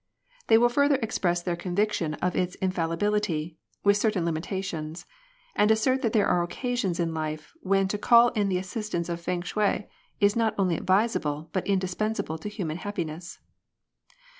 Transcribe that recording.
They will further express their conviction of its infallibility, with certain limitations ; and assert that there are occasions in life, when to call in the assistance of Feng shui is not only advisable but indispensable to human happiness.